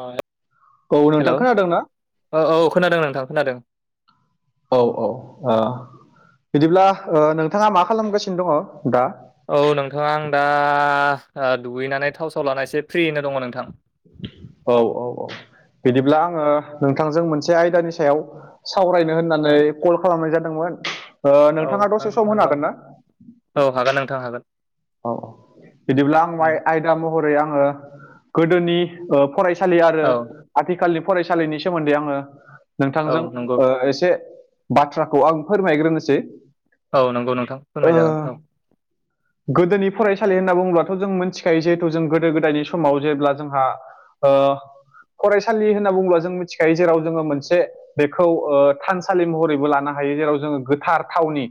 अ औ नोंथां हेल' खोनादोंना औ औ खोनादों नोंथां खोनादों। औ औ ओ बिदिब्ला ओ नोंथाङा मा खालामगासिनो दङ दा? औ नोंथां आं दा ओ दुगैनानै थाव साव लानानै एसे फ्रिनो दङ नोंथां। औ औ औ औ बिदिब्ला आङो नोंथांजों मोनसे आयदानि सायाव सावरायनो होननानै कल खालामनाय जादोंमोन औ नोंथाङा दसे सम होनो नंगौ हागोन ना? औ हागोन नोंथां हागोन। औ औ बिदिब्ला आं माइ-आयदा महरै आङो गोदोनि ओ फरायसालि आरो औ आथिखालनि फरायसालिनि सोमोन्दै आङो औ नोंथांजों नंगौ ओ एसे बाथ्राखौ आं फोरमायग्रोनोसै। औ नंगौ नोंथां ओ फोरमायजागोन औ। गोदोनि फरायसालि होनना बुङोब्लाथ' जों मिथिखायो जिहेथु जों गोदो गोदायनि समाव जेब्ला जोंहा ओ फरायसालि होनना बुङोब्ला जों मिथिखायो जेराव जोङो मोनसे बेखौ ओ थानसालि महरैबो लानो हायो जेराव जोङो गोथार थावनि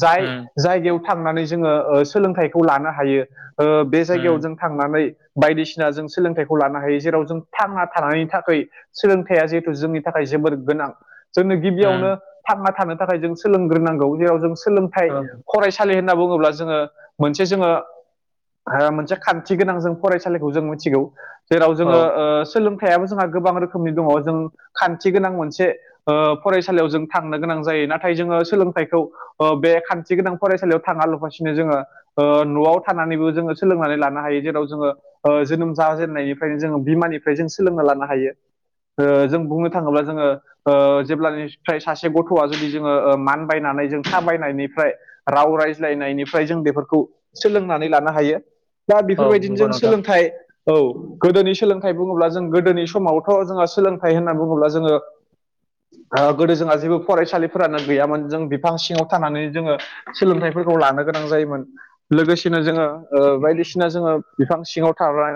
जाय उम जायगायाव थांनानै जोङो ओ सोलोंथाइखौ लानो हायो ओ बे जायगायाव उम जों थांनानै बायदिसिना जों सोलोंथाइखौ लानो हायो जेराव जों थांना थानायनि थाखै सोलोंथाइया जिहेथु जोंनि थाखाय जोबोर गोनां। जोंनो उम गिबियावनो थांना थानो थाखाय जों सोलोंग्रोनांगौ जेराव जों सोलोंथाइ औ फरायसा सालि होनना बुङोब्ला जोङो मोनसे जोङो मोनसे खान्थि गोनां जों फरायसालिखौ जों मोथिगौ। जेराव जोङो औ ओ सोलोंथाइयाबो जोंहा गोबां रोखोमनि दङ जों खान्थि गोनां मोनसे ओ फरायसालियाव जों थांनो गोनां जायो नाथाय जोङो सोलोंथाइखौ अ बे खान्थि गोनां फरायसालियाव थाङा लफासिनो जोङो ओ न'आव थानानैबो जोङो सोलोंनानै लानो हायो जेराव जोङो ओ जोनोम जाजेननायनिफ्रायनो जोङो बिमानिफ्राय जों सोलोंना लानो हायो। ओ जों बुंनो थाङोब्ला जोङो ओ जेब्लानिफ्राय सासे गथ'आ जुदि जोङो ओ मानबायनानै जों थाबायनायनिफ्राय राव रायज्लायनायनिफ्राय जों बेफोर खौ सोलोंनानै लानो हायो दा औ बेफोर बायदिनो नंगौ जों नोंथां सोलोंथाइ औ गोदोनि सोलोंथाइ बुङोब्ला जों गोदोनि समावथ' जोङो सोलोंथाइ होनना बुङोब्ला जोङो ओ गोदो जोंहा जेबो फरायसालिफोरानो गैयामोन जों बिफां सिङाव थानानै जोङो सोलोंथाइफोरखौ लानो गोनां जायोमोन। लोगोसेनो जोङो ओ बायदिसिना जोङो बिफां सिङाव थाबाय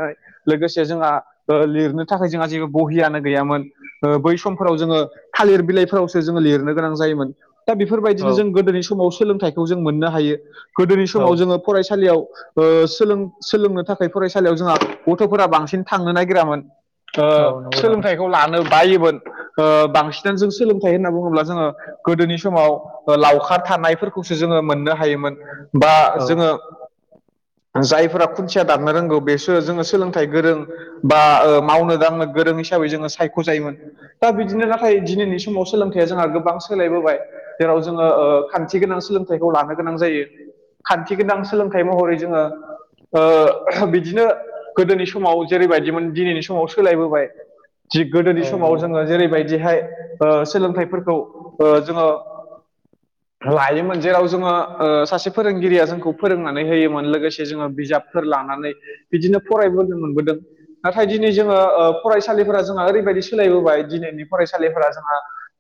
लोगोसे जोंहा ओ लिरनो थाखाय जोंहा जेबो बहियानो गैयामोन। ओ बै समफोराव जोङो थालिर बिलाइफोरावसो जोङो लिरनो गोनां जायोमोन। दा बेफोर औ बायदिनो जों गोदोनि समाव सोलोंथाइखौ जों मोननो हायो गोदोनि औ समाव जोङो फरायसालियाव ओ सोलों सोलोंनो थाखाय फरायसालियाव जोंहा गथ'फोरा बांसिन थांनो नागिरामोन। ओ औ नंगौ नोंथां सोलोंथाइखौ लानो बायोमोन ओ बांसिनानो जों सोलोंथाइ होनना बुङोब्ला जोङो गोदोनि समाव ओ लावखार थानायफोरखौसो जोङो मोननो हायोमोन। बा औ जोङो जायफोरा खुन्थिया दाननो रोंगौ बेसो जोङो सोलोंथाइ गोरों बा मावनो दांनो गोरों हिसाबै जोङो सायख'जायोमोन। दा बिदिनो नाथाय दिनैनि समाव सोलोंथाइया जोंहा गोबां सोलायबोबाय। जेराव जोङो ओ खान्थि गोनां सोलोंथाइखौ लानो गोनां जायो। खान्थि गोनां सोलोंथाइ महरै जोङो ओ बिदिनो गोदोनि समाव जेरैबायदिमोन दिनैनि समाव सोलायबोबाय। थिग औ गोदोनि समाव नंगौ जोङो जेरैबायदिहाय ओ सोलोंथाइफोरखौ ओ जोङो लायोमोन जेराव जोङो ओ सासे फोरोंगिरिया जोंखौ फोरोंनानै होयोमोन लोगोसे जोङो बिजाबफोर लानानै बिदिनो फरायबोनो मोनबोदों। नाथाय दिनै जोङो ओ फरायसालिफोरा जोंहा ओरैबायदि सोलायबोबाय दिनैनि फरायसालिफोरा जोंहा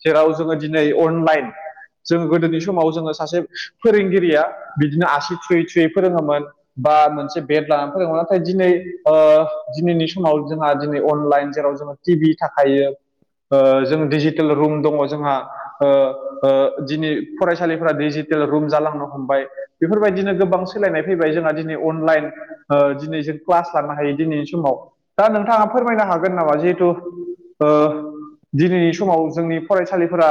जेराव जोङो दिनै अनलाइन जोङो गोदोनि समाव जोङो सासे फोरोंगिरिया बिदिनो आसि थुयै थुयै फोरोङोमोन। बा मोनसे बेड लानानै फैयोमोन नाथाय दिनै ओ दिनैनि समाव जोंहा दिनै अनलाइन जेराव जोङो टि भि थाखायो ओ जों डिजिटेल रुम दङ' जोंहा ओ ओ दिनै फरायसालिफ्रा डिजिटेल रुम जालांनो हमबाय। बेफोर बायदिनो गोबां सोलायनाय फैबाय जोंहा दिनै अनलाइन ओ दिनै जों क्लास लानो हायो दिनैनि समाव दा नोंथाङा फोरमायनो हागोन नामा जिहेथु ओ दिनैनि समाव जोंनि फरायसालिफोरा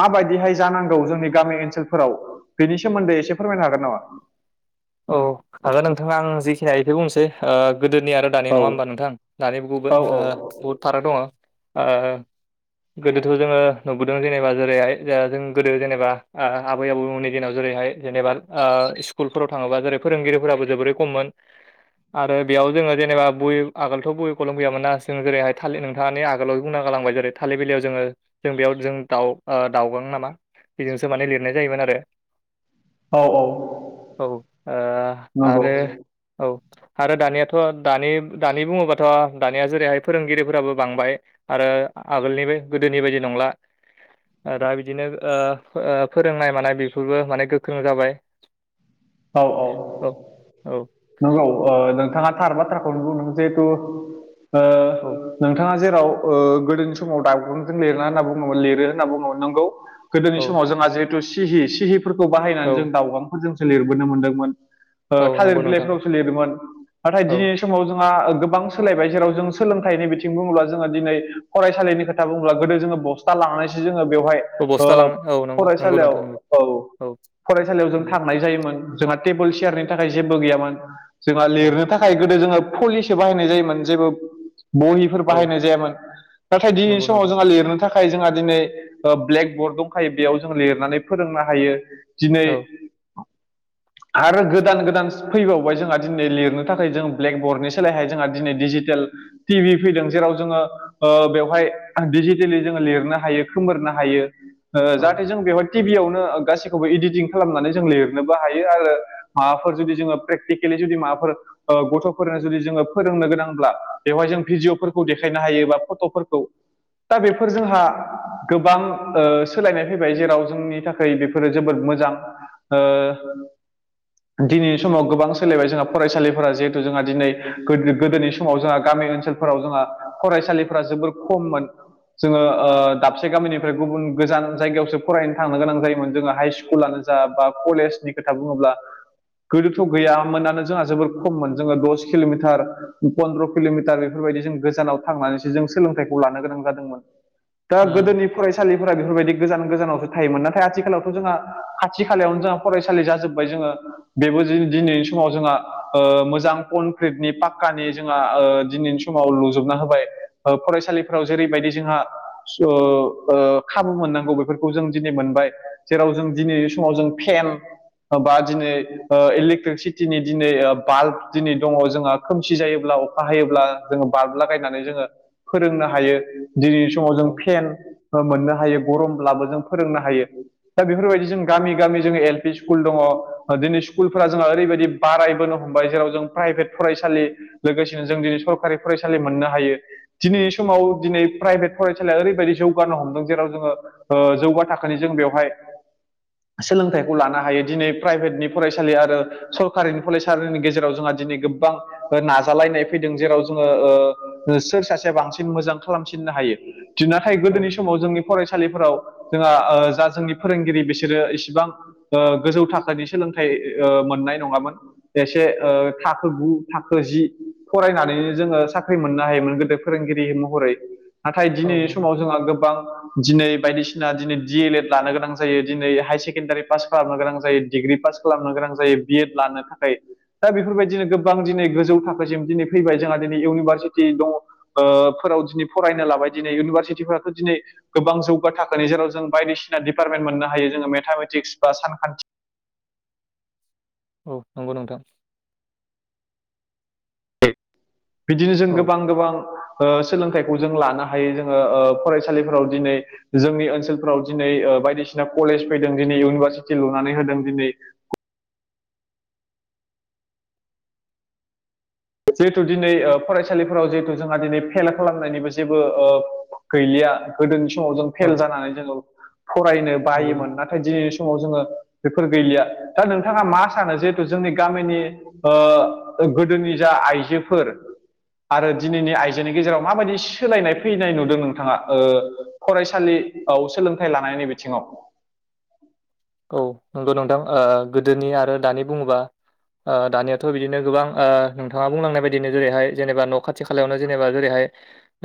माबायदिहाय जानांगौ जोंनि गामि ओनसोलफोराव बेनि सोमोन्दै एसे फोरमायनो हागोन नामा? औ हागोन नोंथां आं जेखिनि हायो इखो बुंसै ओ गोदोनि आरो दानि औ नङा होमबा नोंथां दानि बु ओ औ बुहुद फाराग दङ' ओ गोदोथ' जोङो नुबोदों जेनेबा जेरैहाय जा जों गोदो जेनेबा आ आबै आबौमोननि दिनाव जेरैहाय जेनेबा ओ स्कुलफोराव थाङोबा जेरै फोरोंगिरिफोराबो जोबोरै खममोन। आरो बेयाव जोङो जेनेबा बय आगोलथ' बहि खलम गैयामोन ना जोङो जेरैहाय थालि नों थाङानो आगोलाव बुंना गालांबाय जेरै थालिर बिलियाव जोङो जों बेयाव जों दाउ ओ दाउगां नामा? बेजोंसो माने लिरनाय जायोमोन आरो। औ औ। औ ओ नंगौ आरो औ। आरो दानियाथ' दानि दानि बुङोबाथ' दानिया जेरैहाय फोरोंगिरिफोराबो बांबाय। आरो आगोलनिबो गोदोनि बायदि नंला। ओ दा बिदिनो ओ ओ फोरोंनाय मानाय बेफोरबो माने गोख्रों जाबाय। औ औ औ नंगौ ओ नोंथाङा थार बाथ्राखौनो बुंदों जिहेथु ओ औ नोंथाङा जेराव ओ गोदोनि समाव दागुंजों लिरना होनना बुङोमोन लिरो होनना बुङोमोन नोंगौ। गोदोनि औ समाव जोंहा जिहेथु सिहि सिहिफोरखौ बाहायनानै औ जों दाउगांफोरजोंसो लिरबोनो मोनदोंमोन। ओ औ थालिर नंगौ नोंथां बिलाइफोरावसो लिरोमोन नाथाय औ दिनै समाव जोंहा ओ गोबां सोलायबाय जेराव जों सोलोंथाइनि बिथिं बुङोब्ला जोङो दिनै फरायसालिनि खोथ था बुंब्ला गोदो जोङो बस्थ लांनायसो जोङो बेवहाय औ ओ बस्था लांनो औ नंगौ नंगौ फरायसालियाव नोंथां नंगौ औ औ फरायसालियाव जों उम था नाय जायोमोन जोंहा टेबोल सियारनि थाखाय जेबो गैयामोन जोंहा औ लिरनो था खाय गोदो जोङो पलिसि बाहायनाय जायोमोन जेबो बहि फोर औ बाहायनाय जायोन नाथाय दिनैनि नंगौ समाव नोंथां जोंहा लिरनो था खाय जोंहा दिनै ओ ब्लेक बर्ड दंखायो बेयाव जोङो लिरनानै फोरोंनो हायो दिनै औ आरो गोदान गोदान फैबावबाय जोंहा दिनै लिरनो थाखाय जों ब्लेकबर्डनि सोलायहाय जोंहा दिनै डिजिटेल टि भि फैदों जेराव जोङो ओ बेवहाय डजिटेलि जोङो लिरनो हायो खोमोरनो हायो ओ औ जाहाथे जों बेवहाय टिभियावनो गासैखौबो इडदिटिं खालामनानै जों लिरनोबो हायो आरो माबाफोर जुदि जोङो प्रेकटिकेलि जुदि माबाफोर ओ गथ'फोरनो जुदि जोङो फोरोंनो गोनांब्ला बेवहाय जों भिडिय'फोरखौ देखायनो हायो बा फट'फोरखौ दा बेफोर जोंहा गोबां सोलायनाय फैबाय जेराव जोंनि थाखाय बेफोरो जोबोद मोजां दिनैनि समाव गोबां सोलिबाय जोंहा फरायसालिफोरा जिहेथु जोंहा दिनै गोदोनि समाव जोंहा गामि ओनसोल फोराव जोंहा फरायसालिफ्रा जोबोर खममोन जोङो दाबसे गामिनिफ्राय गुबुन गोजान जायगायावसो फरायनो थांनो गोनां जायोमोन जोङो हाइ स्कुल स्कुलानो जा बा कलेज नि खोथा बुङोब्ला गोदोथ' गैयामोनानो जोंहा जोबोर खममोन जोङो दस किल'मिटार पन्द्र' किल'मिटार बेफोरबायदि जों गोजानाव थांनानैसो जों सोलोंथाइखौ लानो गोनां जादोंमोन दा उम गोदोनि फरायसालिफोरा बेफोरबायदि गोजान गोजानावसो थायोमोन नाथाय आथिखालावथ' जोंहा खाथि खालायावनो जा फरायसालि जाजोब्बाय जोङो बेबो जि दिनैनि समाव जोंहा ओ मोजां कनक्रिटनि पाक्कानि जोंहा ओ दिनैनि समाव लुजोबना होबाय ओ फरायसालिफ्राव जेरैबायदि जोंहा स ओ खाबु मोननांगौ बेफोरखौ जों दिनै मोनबाय जेराव जों दिनै समाव जों फेन बा दिनै ओ इलेक्ट्रिसिटिनि दिनै ओ बाल्ब दिनै दङ जोंहा खोमसि जायोब्ला बाहायोब्ला जोङो बार्बलागायनानै जोङो फोरोंनो हायो दिनैनि समाव जों औ फेन ओ मोननो हायो गरमब्लाबो जों फोरोंनो हायो दा बेफोरबायदि जों गामि गामि जोङो एल पि स्कुल दङ दिनै स्कुलफोरा जोंहा ओरैबायदि बारायबोनो हमबाय जेराव जों प्राइभेट फरायसालि लोगोसेनो जों दिनै सरखारि फरायसालि मोननो हायो दिनै समाव दिनै प्राइभेट फरायसालिया ओरैबायदि जौगानो हमदों जेराव जोङो जौगा थाखोनि जों बेवहाय सोलोंथाइखौ लानो हायो दिनै प्राइभेटनि फरायसालि आरो सरकारिनि फरायसालिनि गेजेराव जोंहा दिनै गोबां नाजालायनाय फैदों जेराव जोङो सोर सासेया बांसिन मोजां खालामसिननो हायो नाथाय औ गोदोनि समाव जोंनि फरायसालिफोराव जोंहा जा जोंनि फोरोंगिरि बिसोरो एसे बिसिबां गोजौ थाखोनि सोलोंथाइ मोननाय नङामोन एसे थाखो गु थाखो जि फरायनानैनो जोङो साख्रि मोननो हायोमोन गोदो फोरोंगिरि महरै नाथाय दिनैनि नंगौ समाव जोंहा गोबां दिनै बायदिसिना दिनै डि एल एड लानो गोनां जायो दिनै हायार सेके सेकेण्डारि पास खालामनो गोनां जायो डिग्रि पास खालामनो गोनां जायो बि एड लानो थाखाय दा बेफोरबायदिनो गोबां दिनै गोजौ थाखोसिम दिनै फैबाय जोंहा दिनै इउनिभारसिटि दङ फोराव दिनै फरायनो लाबाय दिनै इउनिभारसिटिफोराथ' दिनै गोबां जौगा थाखोनि जेराव जों बायदिसिना दिपार्टमेन्ट मोननो हायो जोङो मेथामेटिक्स बा सानखान्थि औ नंगौ नोंथां बिदिनो जों औ गोबां गोबां सोलोंथाइखौ जों लानो हायो जोङो फरायसालिफोराव दिनै जोंनि ओनसोलफ्राव दिनै बायदिसिना कलेज फैदों दिनै इउनिभारसिटि लुनानै होदों दिनै जिहेथु दिनै फरायसालिफोराव जिहेथु जोंहा दिनै फेल खालामनायनिबो जेबो ओ गैलिया गोदोनि समाव जों फेल औ जानानै जोङो फरायनो नंगौ बायोमोन नाथाय ओमफाय दिनै समाव जोङो बेफोर गैलिया दा नोंथाङा मा सानो जिहेथु जोंनि गामिनि ओ गोदोनि जा आइजोफोर आरो दिनैनि आइजोनि गेजेराव माबायदि सोलायनाय फैनाय नुदों नोंथाङा ओ फरायसालि औ सोलोंथाइ लानायनि बिथिङाव औ नंगौ नोंथां ओ गोदोनि आरो दानि बुङोबा ओ दानियाथ' बिदिनो गोबां ओ नोंथाङा बुंलांनाय बायदिनो जेरैहाय जेनेबा न' खाथि खालायावनो जेनेबा जेरैहाय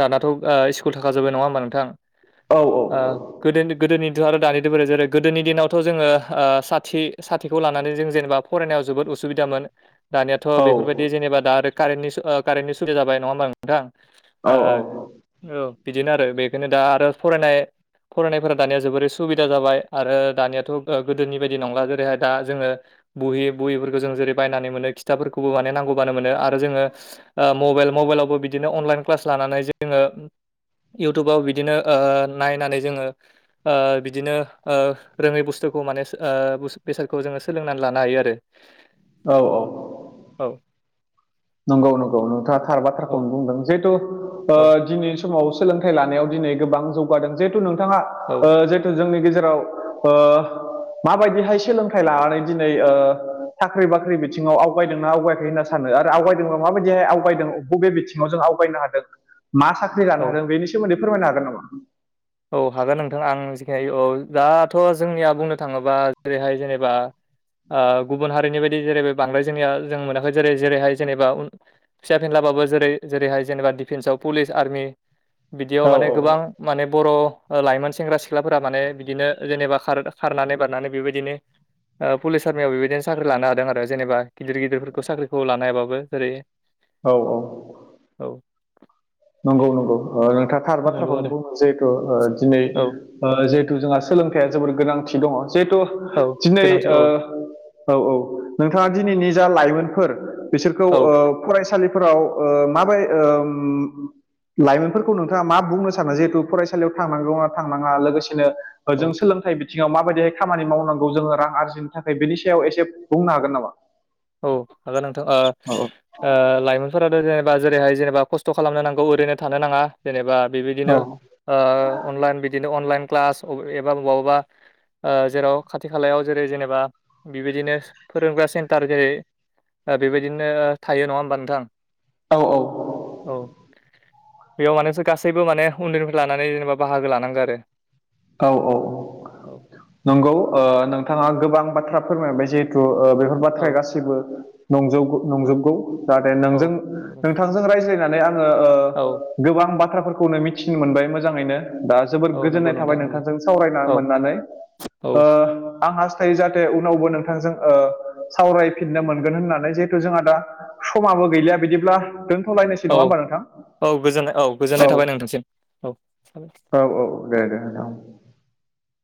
दानाथ' ओ स्कुल थाखाजोबबाय नङा ओमबा नोंथां औ औ गो गोदोनिथ' आरो दानिथ' बोरै जेरै गोदोनि दिनाव थ' जोङो साथि साथिखौ लानानै जों जेनेबा फरायनायाव जोबोद उसुबिदामोन दानियाथ' औ बेफोरबायदि जेनेबा दा आरो कारेन्टनि कारेन्ट सुबिदा जाबाय नङा होनबा नोंथां औ ओ बिदिनो आरो बेखोनो दा आरो फरायनाय फरायनायफोरा दानिया जोबोरै सुबिदा जाबाय आरो दानिया थ' गोदोनि बायदि नंला जेरैहाय दा जोङो बुहि बुहिफोरखौ जों जेरै बायनानै मोनो खिथाबफोरखौबो माने नांगौबानो मोनो आरो जोङो ओ मबेल मबेलावबो बिदिनो अनलाइन क्लास लानानै जोङो इउटुबाव बिदिनो ओ नायनानै जोङो ओ बिदिनो ओ रोङै बुस फोरखौ माने ओ बेसादखौ जोङो सोलोंनानै लानो हायो आरो औ औ औ नंगौ नंगौ नोंथाङा थार औ बाथ्राखौनो बुंदों जिहेथु ओ औ दिनै समाव सोलोंथाइ लानायाव दिनै गोबां जौगादों जिहेथु नोंथाङा औ ओ जिहेथु जोंनि गेजेराव ओ माबायदिहाय सोलोंथाइ लानानै दिनै ओ साख्रि बाख्रि बिथिङाव आवगायदोंना आवगायाखै होनना सानो आरो आवगायदोंबा माबायदिहाय आवगायदों बबे बिथिङाव जों आवगायनो हादों मा साख्रि औ लानो हादों बेनि सोमोनदै फोरमायनो हागोन नामा? औ हागोन नोंथां आं जिखिनि औ दाथ' जोंनिया बुंनो थाङोबा जेरैहाय जेनेबा गुबुन हारिनि बायदि जेरै बांद्राय जोंनिया जों मोनाखै जेरै जेरैहाय जेनेबा फिसा फिनलाबाबो जेरै जेरैहाय जेनेबा डिफेन्सआव पुलिस आर्मि बिदियाव औ माने गोबां औ माने बर' लाइमोन सेंग्रा सिख्लाफोरा माने बिदिनो जेनेबा खारनानै बारनानै बेबायदिनो ओ पुलिस आरमियाव बेबायदिनो साख्रि लानो हादों आरो जेनबा गिदिर गिदिरफोरखौ साख्रिखौ लानो हायाबाबो जेरै औ औ औ नंगौ नंगौ नोंथाङा थार नंगौ बाथ्राखौनो आरो बुङो जिहेथु ओ दिनै औ ओ जिहेथु जोंहा सोलोंथाइया जोबोर गोनांथि दङ जिहेथु औ दिनै गोनांथि ओ औ औ नोंथाङा दिनैनि जा लाइमोनफोर बिसोरखौ औ ओ फरायसालिफोराव ओ माबाय ओम लाइमोनफोरखौ नोंथाङा मा बुंनो सानो जिहेथु फरायसालियाव थांनांगौना थांनाङा लोगोसेनो ओ औ जों सोलोंथाइ बि थिङाव माबायदिहाय खामानि मावनांगौ जोङो रां आरजिनो थाखाय बेनि सायाव एसे बुंनो हागोन नामा? औ हागोल नोंथां ओ औ ओ लाइमोनफोराथ' जेनेबा जेरैहाय जेनेबा खस्थ' खालामनो नांगौ ओरैनो थानो नाङा जेनेबा बेबायदिनो औ ओ अनलाइन बिदिनो अनलाइन क्लास एबा मबाबा ओ जेराव खाथि खालायाव जेरै जेनेबा बेबायदिनो फोरोंग्रा सेन न्टार जेरै ओ बेबायदिनो थायो नङा ओमबा नोंथां औ औ औ बेयाव मानेसो गासैबो माने उन्दैनिफ्राय लानानै जेनेबा बाहागो लानांगौ आरो। औ औ नंगौ नोंथाङा गोबां बाथ्रा फोरमायबाय जिहेथु बेखौ औ बाथ्राया गासिबो औ नंजोबगौ जाहाथे नों औ नंगौ नोंथां। नोंथांजों रायज्ला नानै आङो औ गोबां बाथ्राफोरखौनो मिथिनो मोनबाय मोजाङैनो दा जोबोर औ नंगौ गोजोननाय थाबाय नोंथां औ नोंथांजों सावरायना औ मोननानै ओ औ आं हास्थायो जाहाथे उनावबो नोंथांजों सावरायफिननो मोनगोन होननानै जिहेथु जोंहा दा समाबो गैलिया बिदिब्ला दोन औ औ गोजोननाय औ गोजोननाय थाबाय नोंथांसिम औ थाबाय औ औ दे दे औ